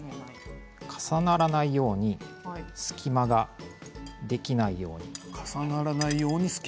重ならないように隙間ができないように。